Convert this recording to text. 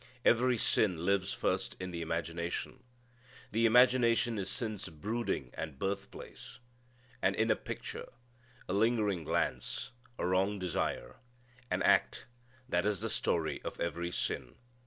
Every sin lives first in the imagination. The imagination is sin's brooding and birth place. An inner picture, a lingering glance, a wrong desire, an act that is the story of every sin.